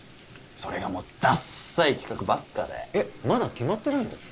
それがもうダッサい企画ばっかでえっまだ決まってないの？